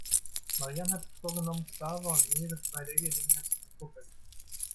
Marian hat sich vorgenommen, Xaver und Merit bei der Gelegenheit zu verkuppeln.